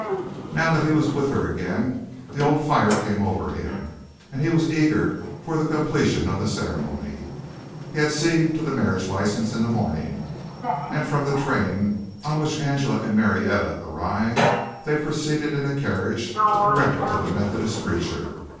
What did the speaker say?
Now that he was with her again the old fire came over him and he was eager for the completion of the ceremony. He had seen to the marriage license in the morning, and from the train on which Angela and Marietta arrived they proceeded in a carriage direct to the Methodist preacher.